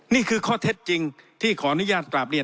เพราะเทศจริงที่ขอนุญาตกราบเรียน